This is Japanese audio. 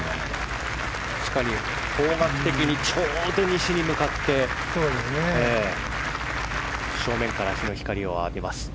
確かに方角的にちょうど西に向かって正面から日の光を浴びます。